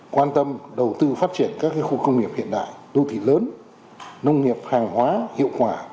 quan tâm đầu tư phát triển các khu công nghiệp hiện đại đô thị lớn nông nghiệp hàng hóa hiệu quả